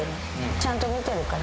ちゃんと見てるからね。